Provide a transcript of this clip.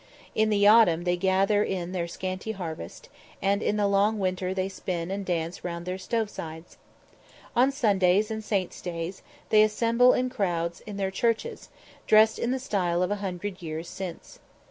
In the autumn they gather in their scanty harvest, and in the long winter they spin and dance round their stove sides. On Sundays and saints' days they assemble in crowds in their churches, dressed in the style of a hundred years since.